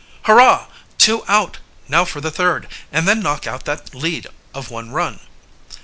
"Hurrah! Two out! Now for the third, and then knock out that lead of one run!"